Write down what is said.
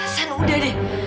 san udah deh